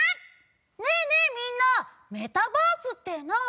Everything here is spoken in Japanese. ねえねえ、みんなメタバースって何？